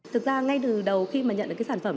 thực ra ngay từ đầu khi nhận được sản phẩm